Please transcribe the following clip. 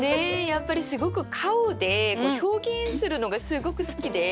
やっぱりすごく顔で表現するのがすごく好きで。